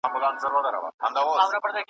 چا په غوږکي راته ووي